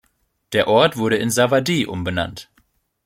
Der Ort wurde in Zawady umbenannt.